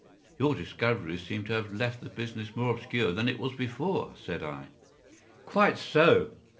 "Your discoveries seem to have left the business more obscure that it was before," said I. "Quite so.